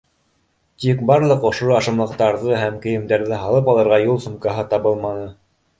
Тик барлыҡ ошо ашамлыҡтарҙы һәм кейемдәрҙе һалып алырға юл сумкаһы табылманы.